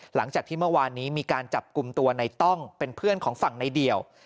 หลังจากที่เมื่อวานนี้มีการจับกลุ่มตัวในต้องเป็นเพื่อนของฝั่งในเดี่ยว